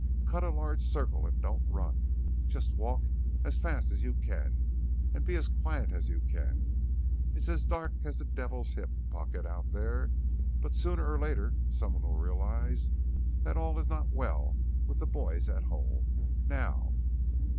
Cut a large circle and don't run. Just walk as fast as you can and be as quiet as you can. It's as dark as the Devil's hip pocket out there, but sooner or later someone will realize that all is not well with the Boys at Home. Now!"